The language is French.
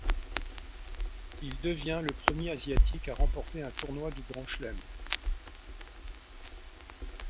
Il devient le premier asiatique à remporter un tournoi du grand chelem.